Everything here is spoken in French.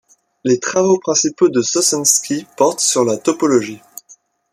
Les travaux principaux de Sossinski portent sur la topologie.